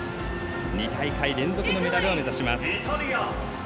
２大会連続のメダルを目指します。